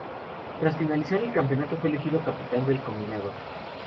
Tras finalizar el campeonato, fue elegido capitán del combinado.